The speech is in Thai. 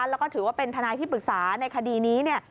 แล้วก็ถือว่าเป็นทนายที่ปรึกษาในคดีนี้เนี่ย